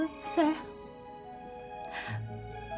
maafin mama ya sayang